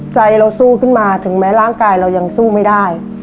ใจเราสู้ขึ้นมาถึงแม้ร่างกายเรายังสู้ไม่ได้